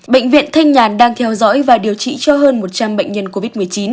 bệnh viện thanh nhàn đang theo dõi và điều trị cho hơn một trăm linh bệnh nhân covid một mươi chín